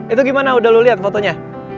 itu gimana udah lo liat fotonya